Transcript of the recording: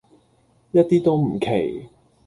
一啲都唔奇